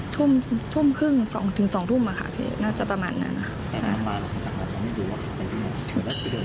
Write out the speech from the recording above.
ทุ่มทุ่มครึ่งสองถึงสองทุ่มอ่ะค่ะเสียอยู่